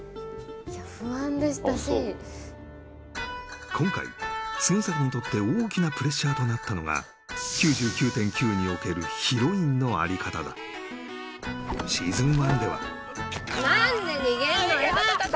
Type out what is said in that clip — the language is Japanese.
いや不安でしたし今回杉咲にとって大きなプレッシャーとなったのが「９９．９」におけるヒロインのあり方だシーズンⅠでは何で逃げるのよ！